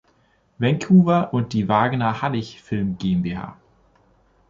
Vancouver und die Wagner-Hallig Film GmbH.